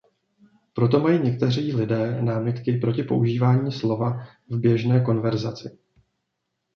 Proto mají někteří lidé námitky proti používání slova v běžné konverzaci.